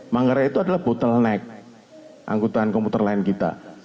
manggarai itu adalah bottleneck angkutan komputer lain kita